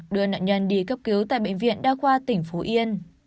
đưa nạn nhân đi cấp cứu tại bệnh viện đa khoa tỉnh phú yên